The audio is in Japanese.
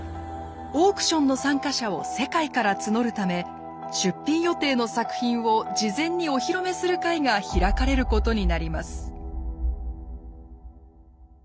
オークションの参加者を世界から募るため出品予定の作品を事前にお披露目する会が開かれることになります。